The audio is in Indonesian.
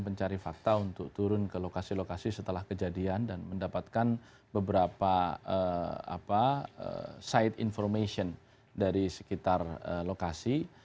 pencari fakta untuk turun ke lokasi lokasi setelah kejadian dan mendapatkan beberapa side information dari sekitar lokasi